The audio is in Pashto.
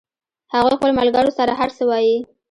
هغوی خپلو ملګرو سره هر څه وایي